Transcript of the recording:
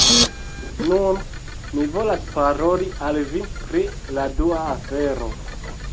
Nun, mi volas paroli al vi pri la dua afero.